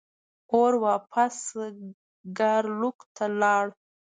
اور واپس ګارلوک ته لاړ.